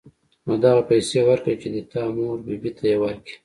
نو دغه پيسې وركه چې د تا مور بي بي ته يې وركي.